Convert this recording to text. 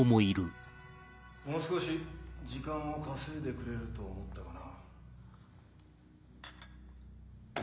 もう少し時間を稼いでくれると思ったがな。